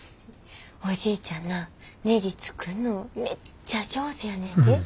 おじいちゃんなねじ作んのめっちゃ上手やねんで。